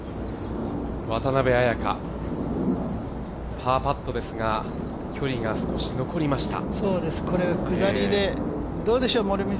渡邉彩香、パーパットですが距離が少し残りました。